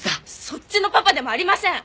そっちのパパでもありません！